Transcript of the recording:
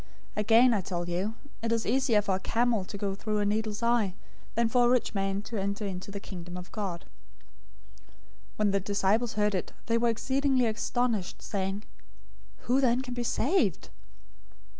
019:024 Again I tell you, it is easier for a camel to go through a needle's eye, than for a rich man to enter into the Kingdom of God." 019:025 When the disciples heard it, they were exceedingly astonished, saying, "Who then can be saved?"